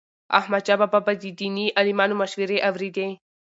احمدشاه بابا به د دیني عالمانو مشورې اوريدي.